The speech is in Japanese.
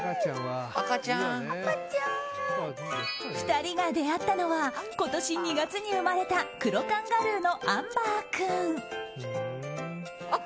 ２人が出会ったのは今年２月に生まれたクロカンガルーのアンバー君。